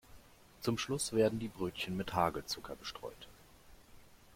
Zum Schluss werden die Brötchen mit Hagelzucker bestreut.